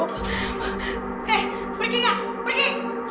eh pergi gak pergi